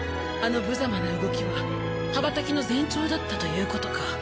あのぶざまな動きは羽ばたきの前兆だったということか。